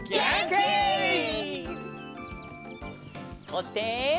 そして。